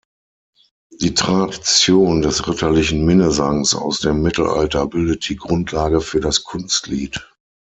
Die Tradition des ritterlichen Minnesangs aus dem Mittelalter bildet die Grundlage für das Kunstlied.